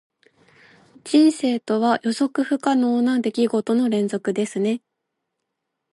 人生とは、予測不可能な出来事の連続ですね。